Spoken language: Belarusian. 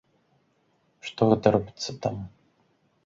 Што гэта робіцца там?